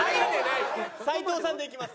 斎藤さんでいきます。